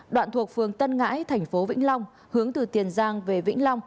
đoạn thuộc phường tân ngãi thành phố vĩnh long hướng từ tiền giang về vĩnh long